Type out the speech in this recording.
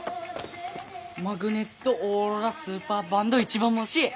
マグネット・オーロラ・スーパーバンド一番星！